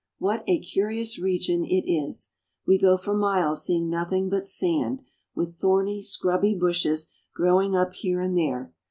What a curious region it is! We go for miles see ing nothing but sand, with thorny, scrubby bushes grow ing up here and there.